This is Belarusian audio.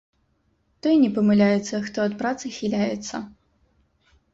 Той не памыляецца, хто ад працы хіляецца